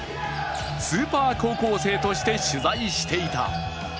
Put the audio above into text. スーパー高校生として取材していた。